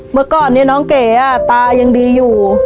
เมื่อก่อนเนี่ยน้องเก๋ตายังดีอยู่